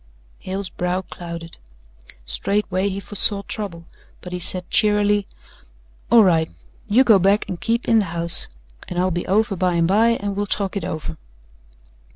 Hale's brow clouded. Straightway he foresaw trouble but he said cheerily: "All right. You go back and keep in the house and I'll be over by and by and we'll talk it over."